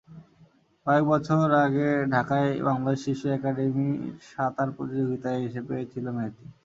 কয়েক বছর আগে ঢাকায় বাংলাদেশ শিশু একাডেমীর সাঁতার প্রতিযোগিতায় এসে পেয়েছিল মেয়েটি।